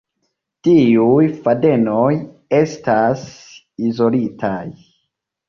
Tiuj fadenoj estas izolitaj.